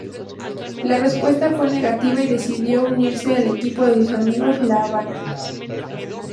La respuesta fue negativa y decidió unirse al equipo de sus amigos La Habana.